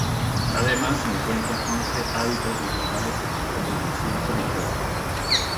Además se encuentran once hábitats vegetales con protección prioritaria.